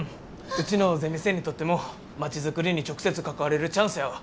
うちのゼミ生にとってもまちづくりに直接関われるチャンスやわ。